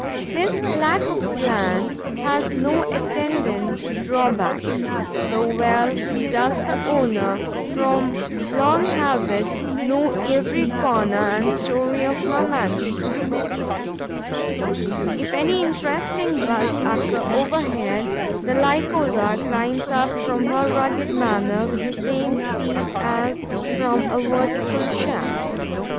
This lack of plan has no attendant drawbacks, so well does the owner, from long habit, know every corner and storey of her mansion. If any interesting buzz occur overhead, the Lycosa climbs up from her rugged manor with the same speed as from a vertical shaft.